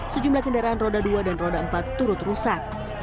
sejumlah kendaraan roda dua dan roda empat turut rusak